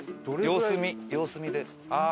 様子見様子見で。